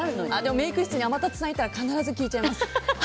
メイク室に天達さんがいたらでも必ず聞いちゃいます。